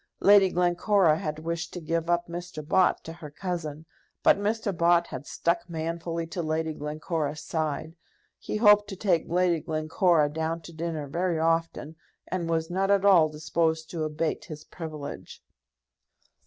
Lady Glencora had wished to give up Mr. Bott to her cousin, but Mr. Bott had stuck manfully to Lady Glencora's side. He hoped to take Lady Glencora down to dinner very often, and was not at all disposed to abate his privilege.